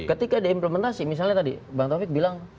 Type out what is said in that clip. ketika diimplementasi misalnya tadi bang taufik bilang